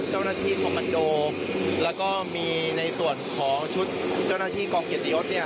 คอมมันโดแล้วก็มีในส่วนของชุดเจ้าหน้าที่กองเกียรติยศเนี่ย